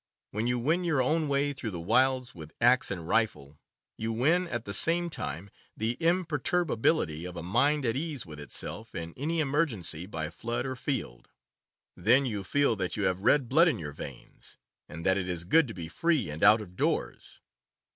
When you win your own way through the wilds with axe and rifie you win at the same time the imperturbability of a mind at ease with itself in any 6 CAMPING AND WOODCRAFT emergency by flood or field. Then you feel that you have red blood in your veins, and that it is good to be free and out of doors.